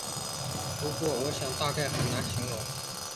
不过我想大概很难形容